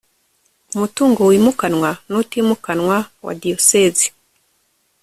Umutungo wimukanwa n utimukanwa wa Diyosezi